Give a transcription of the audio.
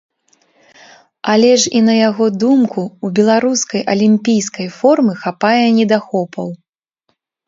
Але ж і на яго думку, у беларускай алімпійскай формы хапае недахопаў.